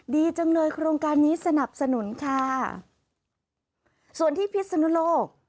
ดีจังเลยโครงการนี้สนับสนุนค่ะส่วนที่พิศนุโลก